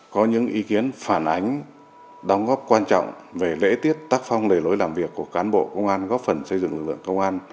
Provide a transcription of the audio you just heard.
có những ý kiến phản ánh đóng góp quan trọng về lễ tiết tác phong lề lối làm việc của cán bộ công an góp phần xây dựng lực lượng công an